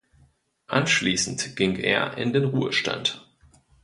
Anschließend ging er in den Ruhestand.